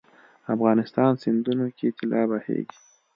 افغانستان سیندونو کې طلا بهیږي